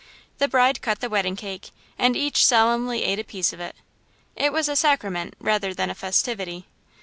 The bride cut the wedding cake and each solemnly ate a piece of it. It was a sacrament, rather than a festivity.